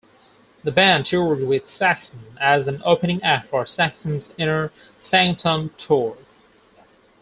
The band toured with Saxon as an opening act for Saxon's Inner Sanctum tour.